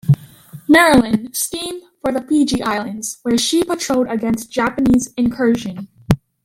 "Maryland" steamed for the Fiji Islands where she patrolled against Japanese incursion.